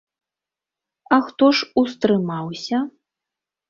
А хто ж устрымаўся?